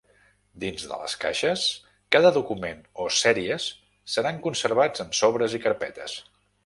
Dins de les caixes cada document o sèries seran conservats en sobres i carpetes.